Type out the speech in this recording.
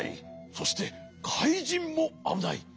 そしてかいじんもあぶない。